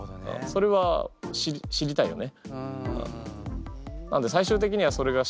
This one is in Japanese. それは知りたいよね？